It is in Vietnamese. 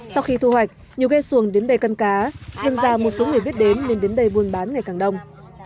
sau khi thu hoạch nhiều ghe xuồng đến đây cân cá gần ra một số người biết đến nên đến đây buôn bán ngày càng đông